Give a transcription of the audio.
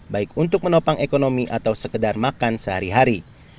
baik untuk menopang ekonomi atau sekedar makan sehari hari